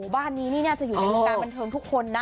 บ้านนี้นี่น่าจะอยู่ในวงการบันเทิงทุกคนนะ